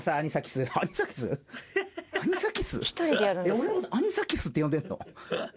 えっ俺のことアニサキスって呼んでんの？